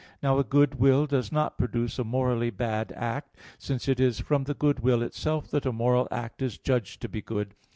Now, a good will does not produce a morally bad act, since it is from the good will itself that a moral act is judged to be good.